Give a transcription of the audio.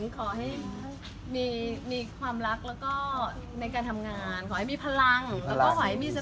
ขอบคุณมากลุงหนิงขอให้มีความรักแล้วก็ในการทำงาน